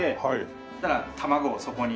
そしたら卵をそこに。